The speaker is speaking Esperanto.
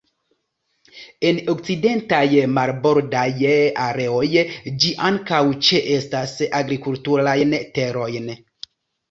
En okcidentaj marbordaj areoj, ĝi ankaŭ ĉeestas agrikulturajn terojn.